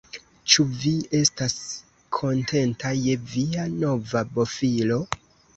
Ĉu vi estas kontenta je via nova bofilo?